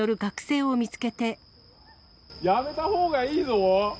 やめたほうがいいぞ。